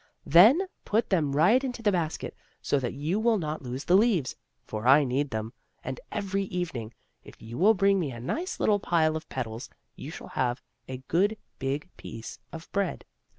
Then put them right into the basket, so that you will not lose the leaves; for I need them, and every evening, if you will bring me a nice little pile of petals, you shall have a good big piece of bread.